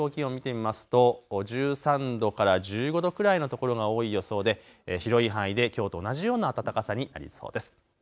各地の最高気温、見てみますと１３度から１５度くらいの所が多い予想で広い範囲できょうと同じような暖かさになりそうです。